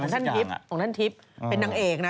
ท่านทิพย์ของท่านทิพย์เป็นนางเอกนะ